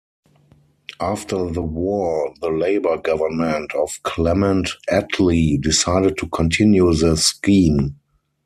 After the War the Labour government of Clement Attlee decided to continue the scheme.